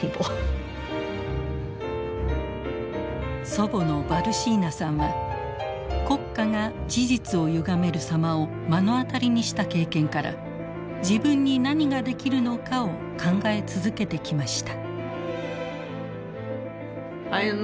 祖母のバルシーナさんは国家が事実をゆがめる様を目の当たりにした経験から自分に何ができるのかを考え続けてきました。